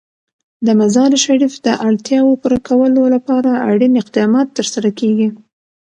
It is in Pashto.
د مزارشریف د اړتیاوو پوره کولو لپاره اړین اقدامات ترسره کېږي.